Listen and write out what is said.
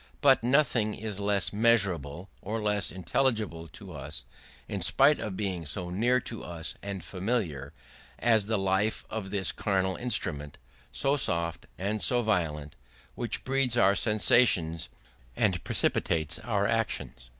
But nothing is less measurable, or less intelligible to us, in spite of being so near us and familiar, as the life of this carnal instrument, so soft and so violent, which breeds our sensations and precipitates our actions.